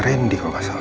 randy kalau gak salah